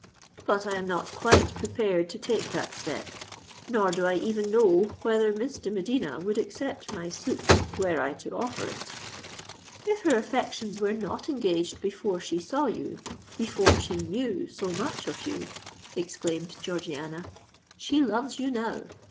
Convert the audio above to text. But I am not quite prepared to take that step—nor do I even know whether Miss de Medina would accept my suit, were I to proffer it." "If her affections were not engaged before she saw you—before she knew so much of you," exclaimed Georgiana, "she loves you now.